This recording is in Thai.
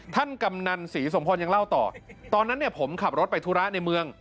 กำนันศรีสมพรยังเล่าต่อตอนนั้นเนี่ยผมขับรถไปธุระในเมือง